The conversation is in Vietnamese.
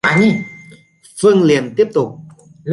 Phương liền tiếp tục